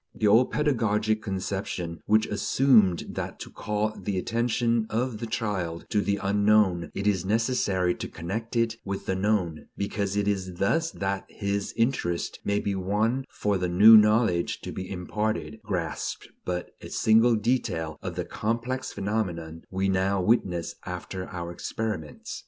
The old pedagogic conception, which assumed that to call the attention of the child to the unknown it is necessary to connect it with the known, because it is thus that his interest may be won for the new knowledge to be imparted, grasped but a single detail of the complex phenomenon we now witness after our experiments.